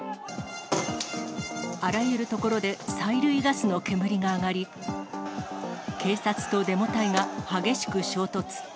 あらゆる所で催涙ガスの煙が上がり、警察とデモ隊が激しく衝突。